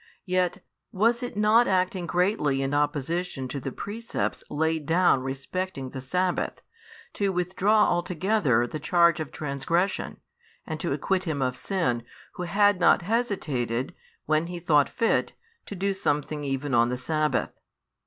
Yet, was it not acting greatly in opposition to the precepts laid down respecting the sabbath, to withdraw altogether the charge of transgression, and to acquit Him of sin, Who had not hesitated, when He thought fit, to do something even on the sabbath?